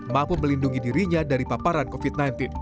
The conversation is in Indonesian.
mampu melindungi dirinya dari paparan covid sembilan belas